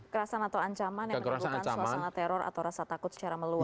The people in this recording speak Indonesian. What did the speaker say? kerasan atau ancaman yang menimbulkan suasana teror atau rasa takut secara meluas